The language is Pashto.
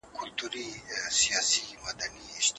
دا زیاتوالی د لومړي کال د خوراک او عادتونو له امله وي.